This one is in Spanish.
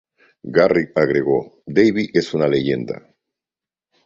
Garrix agregó: "David es una leyenda.